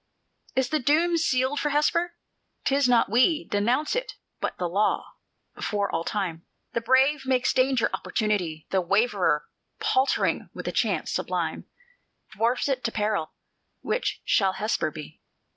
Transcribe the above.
"Is the doom sealed for Hesper? 'Tis not we Denounce it, but the Law before all time: The brave makes danger opportunity; The waverer, paltering with the chance sublime, Dwarfs it to peril: which shall Hesper be?